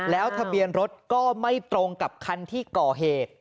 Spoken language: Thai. แล้วทะเบียนรถก็ไม่ตรงกับคันที่ก่อเหตุ